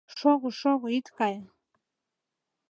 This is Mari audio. Шого, шого, ит кае!